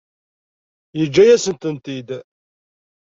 Yeǧǧa-yasen-tent-id.